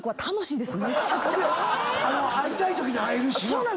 会いたいときに会えるしな。